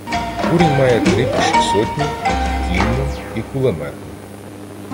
Курінь має три піші сотні, кінну і кулеметну.